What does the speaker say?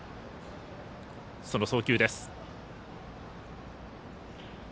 その送球です。